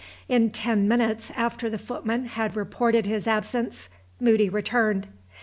In ten minutes after the footman had reported his absence, Moody returned.